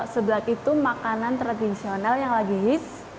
seblak itu makanan tradisional yang lagi hit